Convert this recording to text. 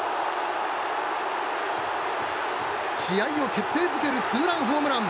試合を決定づけるツーランホームラン。